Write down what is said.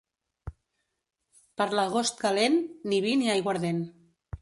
Per l'agost calent, ni vi ni aiguardent.